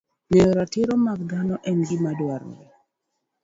Ng'eyo ratiro mag dhano en gima dwarore